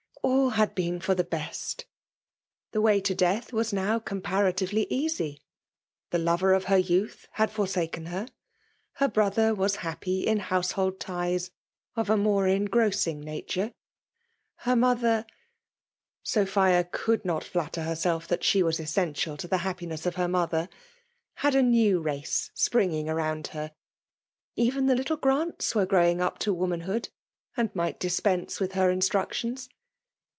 all had been for the best ! The way to death was now comparatively f3 106 BUHALIS IMMilHATIOK. easy. The lover of her youth had fiyrsaken her; — ^ber brother was happy in household ties of a more engrossmg nature ;— her mother (Sophia coidd not flatter herself that Ae was essential to the happiness of her moOier!) had a new race springing around her; even the little Grants were growing up to woman* Jbood, and might dispense with her instruc tions.